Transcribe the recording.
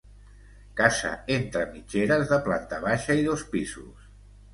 Casa entra mitgeres de planta baixa i dos pisos.